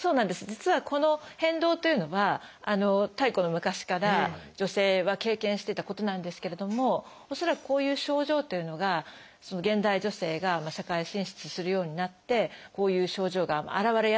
実はこの変動というのは太古の昔から女性は経験してたことなんですけれども恐らくこういう症状というのが現代女性が社会進出するようになってこういう症状が現れやすくなった。